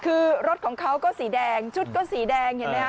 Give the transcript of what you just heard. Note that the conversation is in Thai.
คือรถของเขาก็สีแดงชุดก็สีแดงเห็นไหมค